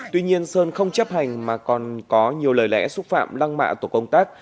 tuy nhiên sơn không chấp hành mà còn có nhiều lời lẽ xúc phạm lăng mạ tổ công tác